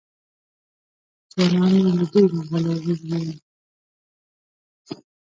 ځوانان یې له ډېرو غولو وژغورل.